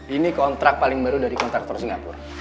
ini kontrak paling baru dari kontraktor singapura